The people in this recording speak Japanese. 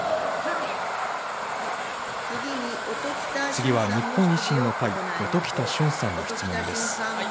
次は日本維新の会、音喜多駿さんの質問です。